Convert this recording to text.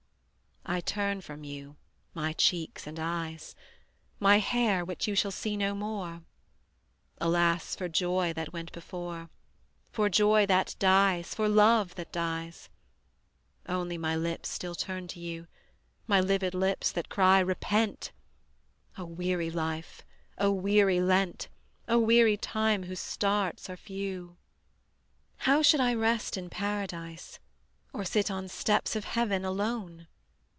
I turn from you my cheeks and eyes, My hair which you shall see no more, Alas for joy that went before, For joy that dies, for love that dies. Only my lips still turn to you, My livid lips that cry, Repent! O weary life, O weary Lent, O weary time whose stars are few! How should I rest in Paradise, Or sit on steps of Heaven alone?